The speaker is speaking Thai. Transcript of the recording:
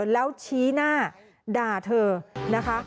แล้วชี้หน้าด่าเธอนะคะ